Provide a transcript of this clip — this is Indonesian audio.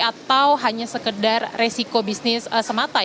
atau hanya sekedar resiko bisnis semata